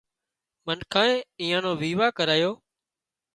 منکانئي ايئان نو ويوا ڪرايو